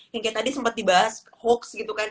kayak tadi sempet dibahas hoax gitu kan